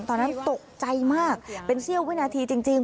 ตอนนั้นตกใจมากเป็นเสี้ยววินาทีจริง